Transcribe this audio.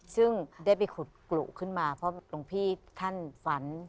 ซึ่งได้ไปขุดกลุขึ้นมาเพราะหลวงพี่ท่านฝัน